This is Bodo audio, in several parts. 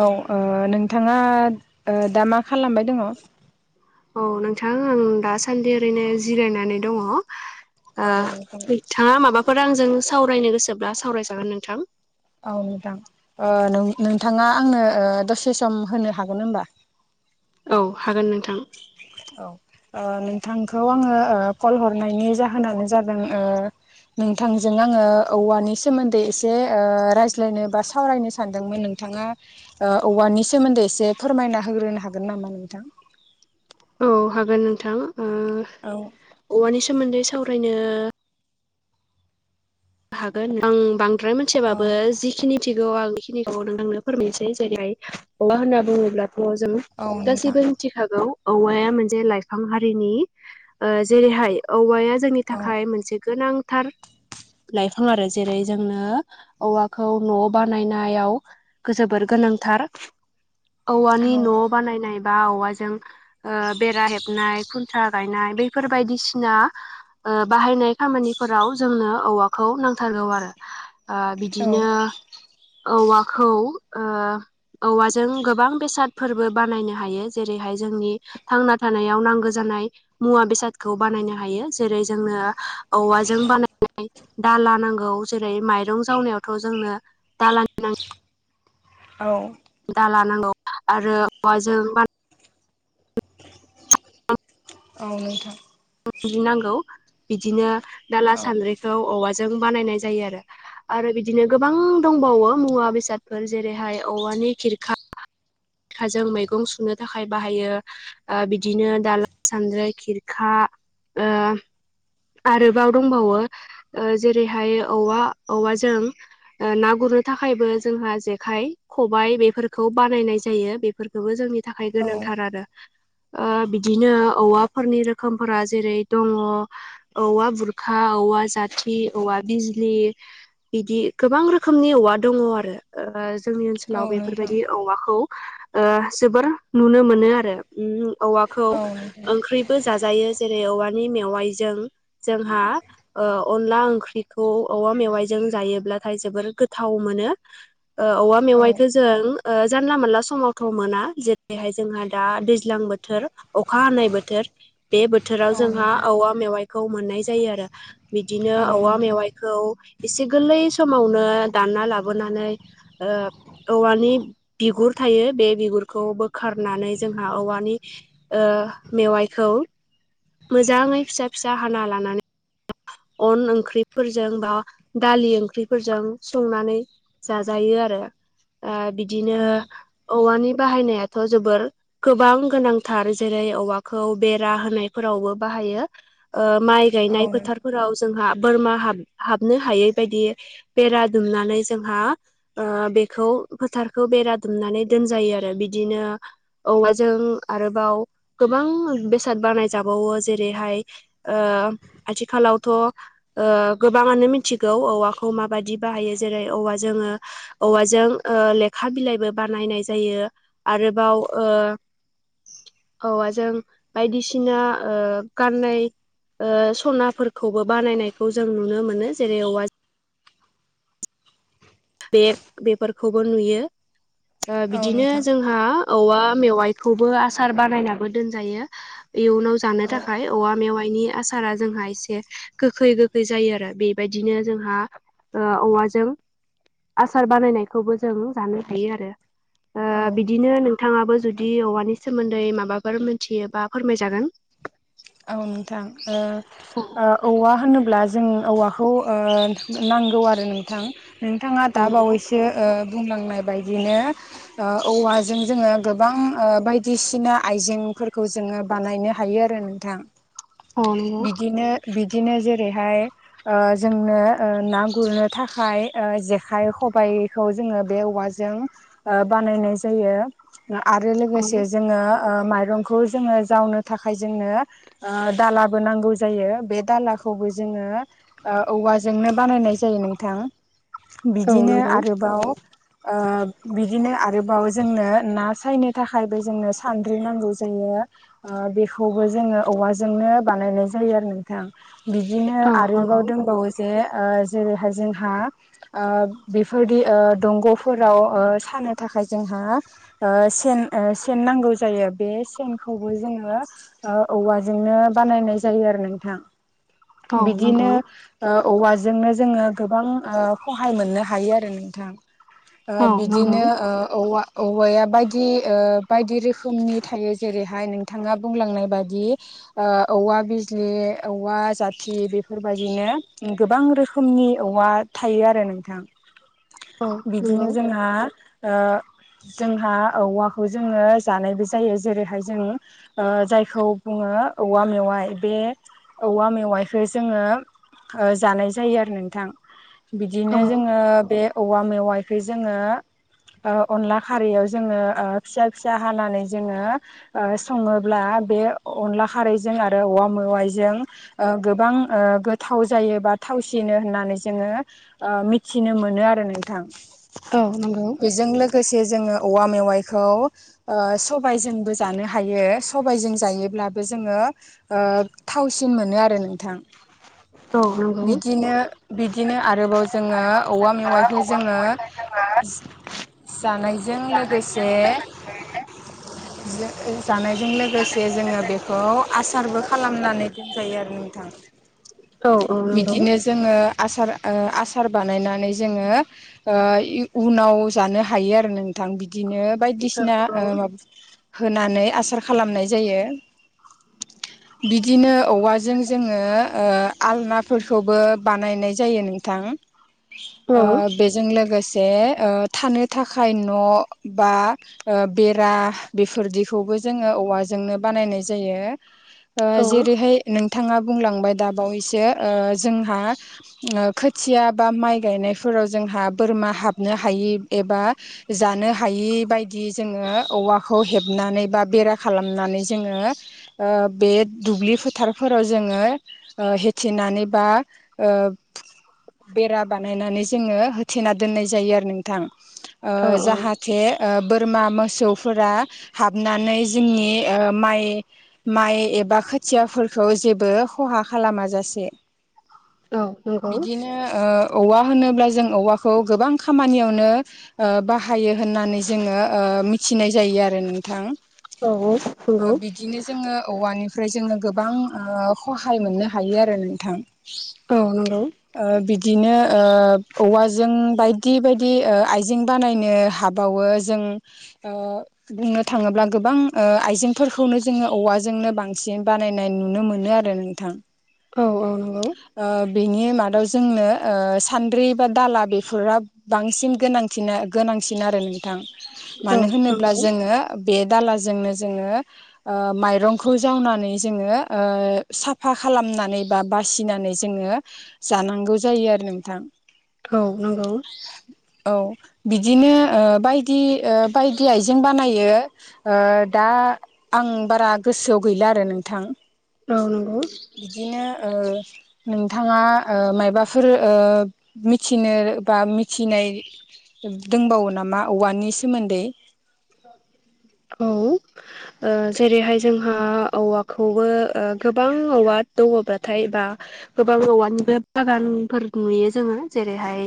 औ नोंथाङा दा मा खालामबाय दङ औ नोंथां आं दासान्दि ओरैनो जिरायनानै दङ औ ओ नोंथां। थाङा माबाफोर आंजों सावरायनो गोसोब्ला सावरायजागोन नोंथां। औ मेदाम ओ नोंथाङा आंनो ओ दसे सम होनो हागोन होमबा औ हागोन नोंथां। औ ओ नोंथांखौ आङो ओ कल हरनायनि जाहोनानो जादों ओ नोंथांजों आङो औवानि सोमोन्दै एसे ओ रायज्लायनो बा सावरायनो सानदोंमोन नों नोंथाङा ओ औवानि सोमोन्दै एसे फोरमायना होग्रोनो हागोन नामा नोंथां। औ हागोन नोंथां ओ औ। औवानि सोमोन्दै सावरायनो हागोन आं बांद्राय औ मिथियाबाबो जि खिनिथिगौ आं बेखिनिखौ नोंथांनो फोरमायनोसै जेरैहाय औवा होनना बुङोब्लाथ' जों औ नोंथां गासैबो मिथिखागौ औवाया मोनसे लाइफां हारिनि ओ जेरैहाय औवाया जोंनि औ थाखाय मोनसे गोनांथार लाइफां आरो जेरै जोंनो औवाखौ न' बानायनायाव जोबोर गोनांथार औ औवानि न' बानायनाय बा औवाजों ओ बेरा हेबनाय खुन्थ्रा गायनाय बैफोर बायदिसिना ओ बाहायनाय खामानिफोराव जोंनो औवा खौ नांथारगौ आरो ओ औ बिदिनो औवाखौ ओ औवाजों गोबां बेसादफोरबो बानायनो हायो जेरैहाय जोंनि थांना थानायाव नांगौ जानाय मुवा बेसादखौ बानायनो हायो जेरै जोंनो औवाजों बानाय दाला नांगौ जेरै माइरं जावनायावथ' जोंनो दालानि नांगौ औ। दाला नांगौ आरो औवाजों बा औ नोंथां। सग्रिनांगौ बिदिनो दाला औ सान्द्रिखौ औवाजों बानायनाय जायो आरो। आरो बिदिनो गोबां दंबावो मुवा बेसादफोर जेरैहाय औवानि खिरखा ओमफ्राय जों मैगं सुनो थाखाय बाहायो। ओ बिदिनो दाला, सानद्राय, खिरखा ओ आरोबाव दंबावो जेरैहाय औवा औवाजों ओ ना गुरनो थाखायबो जोंहा जेखाय - खबाइ बेफोरखौ बानायनाय जायो। बेफोरखौबो जोंनि थाखाय औ गोनांथार आरो ओ बिदिनो औवाफोरनि रोखोम फोरा जेरै दङ औवा बुरखा, औवा जाथि, औवा बिजलि बिदि गोबां रोखोमनि औवा दङ आरो। जोंनि औ ओनसोलाव नोंथां बेफोरबायदि औवाखौ ओ जोबोर नुनो मोनो। आरो औवाखौ औ नोंथां ओंख्रिबो जाजायो जेरै औवानि मेवाइजों जोंहा अनला ओंख्रिखौ औवा मेवाइजों जायोब्लाथाय जोबोर गोथाव मोनो। ओ औवा औ मेवायखौ जों ओ जानला मोनानला समावथ' मोना जेरैहाय जोंहा दा दैज्लां बोथोर अखा हानाय बोथोर बे बोथोर बोथोराव औ जोंहा नोंथां औवा मेवाइखौ मोननाय जायो आरो बिदिनो औ औवा मेवाइ खौ इसे गोरलै समावनो दानना लाबोनानै ओ औवानि बिगुर थायो बे बिगुरखौ बोखारनानै जोंहा औवानि ओ मेवाइखौ मोजाङै फिसा फिसा हाना लानानै अन ओंख्रिफोरजों बा दालि ओंख्रिफोरजों संनानै जाजायो आरो ओ बि बिदिनो औ औवानि बाहायनायाथ' जोबोर गोबां गोनांथार जेरै औवाखौ बे बा होनाय फोरावबो माइ औ गनाय फोथा फोराव जोंहा बोरमााब हाबनो हायै बायदि बेरा दुमनानै जोंहा ओ बेखौ फोथारखौ बेरा दुमनानै दोनजायो आरो बिदिनो औवाजों आरोबाव गोबां बे बेसाद बारानाय जाबावो जेरैहाय ओ आथिखालावथ' ओ गोबाङानो मिथिगौ औवाखौ माबाददि बाहायो जेरै औवा जोङो औवाजों ओ लेखा बिलाइबो बानायनाय जायो आरोबाव ओ औवाजों बायदिसिना ओ गाननाय ओ सनाफोरखौबो बानायनायखौ जों नुनो मोनो जेरै औवा बेग बेफोरखौबो नुयो ओ औ बिदिनो नोंथां जों हा औवा मेवाइखौबो आसार बानायनाबो दोनजायो इयुनाव जानो औ थाखाय औवा मेवाइनि आसारा जोंहा एसे गोखै -गोखै जायो आरो बेबायदिनो जोंहा ओ औवाजों आसार बानायनायखौबो जों जानो हायो आरो। ओ औ बिदिनो नोंथाङाबो जुदि औवानि सोमोन्दै माबाफोर मोनथियोबा फोरमायजागोन औ नोंथां ओ औ ओ औवा होनोब्ला जों औवाखौ ओ नांगौ आरो नोंथां नोंथाङा दा नंगौ बावैसो ओ बुंलांनाय बायदिनो औवाजों जोङो गोबां बायदिसिना आइजेंफोरखौ जोङो बानायनो हायो आरो थां औ नंगौ बिदिनो बिदिनो जेरैहाय ओ जोंनो ओ ना गुरनो थाखाय ओ जेखाइ खबाइ खौ जोङो बे औवाजों बानायनाय जायो आरो लोगोसे जोङो ओ माइरंखौ जोङो जावनो थाखाय जोंनो ओ दाला नांगौ जायो बे दालाखौबो जोङो ओ औवाजोंनो बानायनाय जायो नोंथां औ बिदिनो नंगौ। आरोबाव ओ बिदिनो आरोबाव जोंनो ना सायनो थाखायबो जोंनो सानद्रि नांगौ जायो। बेखौबो जोङो औवाजोंनो बानायनाय जायो आरो नोंथां बिदिनो आरोबाव दंबावो जे ओ जेरैहाय जोंहा बेफोरदि दंग'फोराव सानो थाखाय जोंहा ओ सेन ओ सेन नांगौ जायो बे सेनखौबो जोङो ओ औवाजोंनो बानायनाय जायो आरो नोंथां औ बिदिनो नंगौ औवाजोंनो जोङो गोबां सहाय मोननो हायो आरो नोंथां औ नंगौ बिदिनो औवा औवाया बायदि बायदि रोखोमनि थायो जेरैहाय नोंथाङा बुंलांनाय बायदि औवा बिजलि औवा जाथि बेफोरबायदिनो गोबां रोखोमनि औवा थायो आरो नोंथां औ बिदिनो नंगौ। जोंहा ओ जोंहा औवाखौ जोङो जानायबो जायो जेरैहाय जों जायखौ बुङो औवा मेवाइ बे औवा मेवाइखौ जोङो जानाय जायो आरो नोंथां औ नंगौ। औ बिदिनो जोङो बे औवा मेवायखै जोङो ओ अनला खारैयाव जोङो ओ फिसा फिसा हानानै जोङो सङोब्ला बे अनला खारैजों आरो औवा मेवाइजों गोबां गोथाव जायो बा थावसिनो होननानै जोङो ओ मिथिनो मोनो आरो नोंथां औ नंगौ बेजों लोगोसे जोङो औवा मेवाइखौ सबायजोंबो जानो हायो सबजों जायोब्लाबो बेखौ जोङो थावसिन मोनो आरो नोंथां औ नंगौ। बि‌दिनो बिदिनो आरोबाव जों जोङो औवा मेवाइखौ जोङो जानायजों लोगोसे जानायजों लोगोसे जोङो बे खौ आसारबो खालामनानै दोनजायो आरो नोंथां औ औ नंगौ बिदिनो जो जोङो आसार आसार बानायनानै जोङो उनाव जानो हायो आरो नोंथां बिदिनो औ बायदिसिना ओ होनानै आसार खालामनाय जायो बिदिनो औवाजों जोङो आलनाफोरखौबो बानायनाय जायो नोंथां औ [inaudible] बेजों लोगोसे थानो थाखाय न' बा बेरा बेफोरदिखौबो जोङो औवाजोंनो बानायनाय जायो औ जेरैहाय नोंथाङा बुंलांबाय द बावैसो जोंहा ओ खोथिया बा माइ गायनायफोराव जोंहा बोरमा हाबनो हायि एबा जानो हायि बादि जोङो औवाखौ हेबनानै बा बेरा खालामनानै जोङो बे दुब्लि फोथारफोराव जोङो होेथिनानै बा ओ बेरा बानायनानै जोङो होथेना दोननाय जायो आरो नोंथां ओ औ जाहाथे बोरमा मोसौफोरा हाबनानै जोंनि माइ माइ एबा खोथियाफोरखौ जेबो खहा खालामाजासे औ नंगौ औवा होनोब्ला जों औवाखौ गोबां खामानियावनो बाहायो होननानै जोङो ओ मिथिनाय जायो आरो नोंथां औ ओ नंगौ बिदिनो जोङो औवानिफ्राय जोङो गोबां खहाय मोननो हायो आरो नोंथां। औ नंगौ बिदिनो ओ औवाजों बायदि बायदि आइजें बानायनो हाब बावो जों बुंनो थाङोबा गोबां आइजें खौनो जोङो औवाजोंनो बांसिन बानायनाय नुनो मोनो आरो नोंथां। औ औ नंगौ ओ बिनि मादाव जोंनो सान्द्रि बा दाला बेफोराव बांसिन गोनांथिन गोनांसिन आरो नोंथां मानो होनोब्ला जोङो बे दालाजोंनो जोङो ओ माइरंखौ जावनानै जोङो ओ साफा खालामनानै बा बासिनानै जोङो जानांगौ जायो आरो नोंथां। औ नंगौ औ बिदिनो ओ बायदि ओ बायदि आइजें बानायो। ओ दा आं बारा गोसोआव गैला आरो नोंथां। औ नंगौ बिदिनो ओ नोंथाङा ओ मायबाफोर ओ मिथिनो बा मिथिनाय दोंबावो नामा औवानि सोमोन्दै औ जेरैहाय जोंहा औवाखौबो ओ गोबां औवा दङब्लाथाय बा गोबां औवानिबो बागानफोर नुयो जोङो जेरैहाय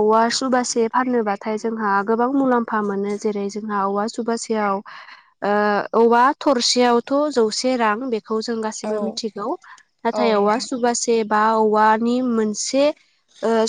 औवा सुबासे फानोबाथाय जोंहा गोबां मुलाम्फा मोनो जेरै जोंहा औवा सुबासेयाव ओ औवा थरसेयावथ' जौसे रां बेखौ जों गा औ गासिबो मिथिगौ औ नाथाय औवा नोंथां सुबासे बा औवानि मोनसे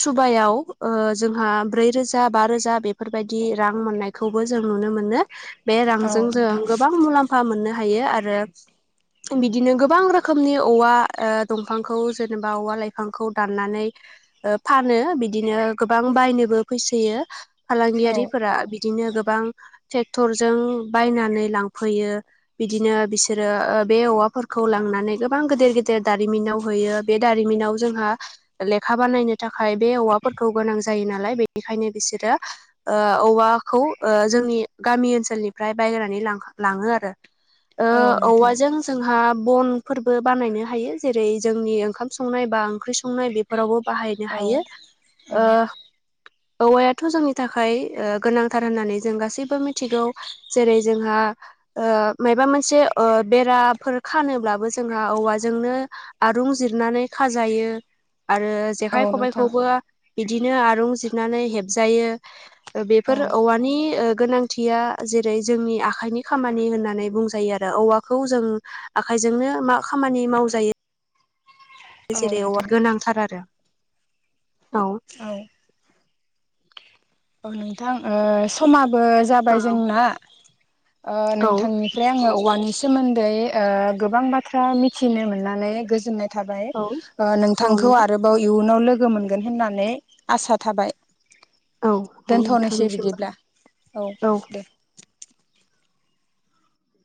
सुबायाव जोंहा ब्रै रोजा बा रोजा बेफोरबायदि रां मोननायखौबो जों नुनो मोनो बे औ रांजों जों नोंथां गोबां मुलाम्फा मोननो हायो आरो बिदिनो गोबां रोखोमनि औवा दंफांखौ जेनेबा औवा लाइफांखौ दाननानै फानो बिदिनो गोबां बायनोबो फैसोयो औ फालांगियारिफोरा बिदिनो गोबां ट्रेक्टरजों बायनानै लांफैयो बिदिनो बिसोरो बे औवाफोरखौ लांनानै गोबां गेदेर गेदेर दारिमिनाव होयो बे दारिमिनाव जोंहा लेखा बानायनो थाखाय बे औवाफोरखौ गोनां जायो नालाय बेनिखायनो बिसोरो ओ औवाखौ जोंनि गामि ओनसोलनिफ्राय बाय्रनानै लाङो आरो ओ औ नोंथां औवाजों जोंहा बनफोरबो बानायनो हायो जेरै जोंनि ओंखाम संनाय बा ओंख्रि संनाय बे फोरावबो बाहायनो औ हायो औ ओ औवायाथ' जोंनि थाखाय ओ गोनांथार। होननानै जों गासैबो मिथिगौ जेरै जोंहा ओ माबा मोनसे बेराफोर खानोब्लाबो जोंहा औवाजोंनो आरुं जिरनानै खाजायो आरो जेखाइ औ नोंथां खबाइखौबो बिदिनो आरुं जिरनानै हेबजायो औ बेफोर मानि ओ गोनांथिया जेरै जोंनि आखाइनि खामानि होननानै बुंजायो आरो औवाखौ जों आखाइजोंनो मा खामानि मावजायो जेरै औ गोनांथार आरो औ औ औ नोंथां ओ समाबो जाबाय औ जोंना ओ नोंथांनि फ्राय आङो औवानि सोमोन्द ओ गोबां बाथ्रा मिथिनो मोननानै गोजोननाय थाबाय औ औ नोंथांखौ नंगौ आरोबाव इयुनाव लोगो मोनगोन होननानै आसा थाबाय औ औ दोनथ'नोसै नोंथांनिसिमबो बिदिब्ला औ दे